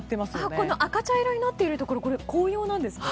この赤茶色になっているところ紅葉なんですか？